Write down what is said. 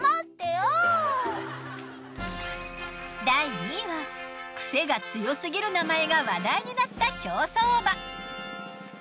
第２位はクセが強すぎる名前が話題になった競走馬。